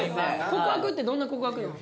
告白ってどんな告白なん？